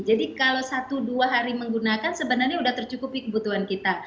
kalau satu dua hari menggunakan sebenarnya sudah tercukupi kebutuhan kita